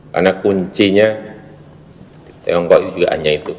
karena kuncinya di tiongkok juga hanya itu